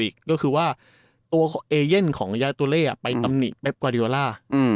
ก็คือว่าตัวเอเย่นของยาตัวเล่ไปตำหนิเป๊กกวาดิโอล่า